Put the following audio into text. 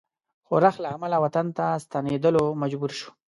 ښورښ له امله وطن ته ستنېدلو مجبور شو.